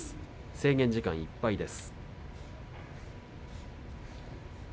制限時間いっぱいです。